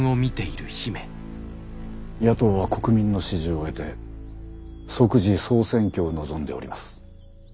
野党は国民の支持を得て即時総選挙を望んでおります。